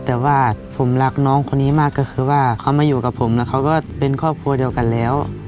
แต่ว่าผมรักน้องคนนี้มากก็คือว่าเขามาอยู่กับผมแล้วเขาก็เป็นครอบครัวเดียวกันแล้ว